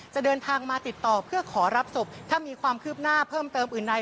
จะเดินทางมาติดต่อเพื่อขอรับศพถ้ามีความคืบหน้าเพิ่มเติมอื่นใด